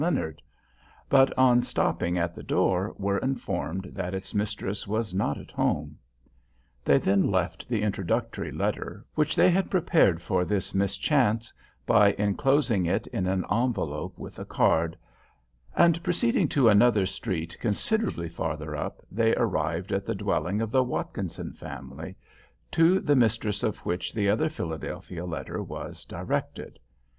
Leonard; but on stopping at the door, were informed that its mistress was not at home. They then left the introductory letter (which they had prepared for this mischance, by enclosing it in an envelope with a card), and proceeding to another street considerably farther up, they arrived at the dwelling of the Watkinson family, to the mistress of which the other Philadelphia letter was directed.